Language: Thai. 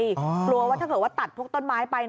กลัวว่าถ้าเกิดว่าตัดทุกต้นไม้ไป